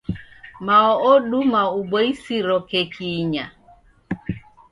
Mao oduma uboisiro keki inya.